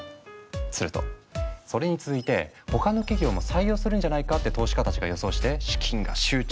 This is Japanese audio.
するとそれに続いて他の企業も採用するんじゃないかって投資家たちが予想して資金が集中。